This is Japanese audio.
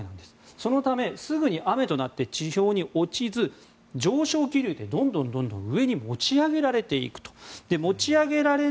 そのため、すぐに雨となって地表に落ちず上昇気流でどんどん上に持ち上げられる。